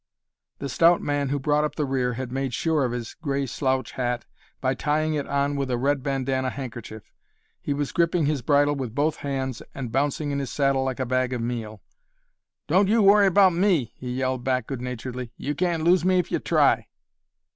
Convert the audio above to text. The stout man who brought up the rear had made sure of his gray slouch hat by tying it on with a red bandanna handkerchief. He was gripping his bridle with both hands and bouncing in his saddle like a bag of meal. "Don't you worry about me!" he yelled back good naturedly; "you can't lose me if you try."